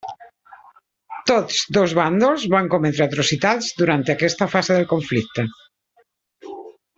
Tots dos bàndols van cometre atrocitats durant aquesta fase del conflicte.